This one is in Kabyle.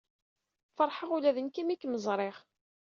Feṛḥeɣ ula d nekk imi kem-ẓṛiɣ.